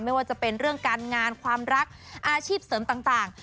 ไม่ว่าจะเป็นเรื่องการงานความรักอาชีพเสริมต่าง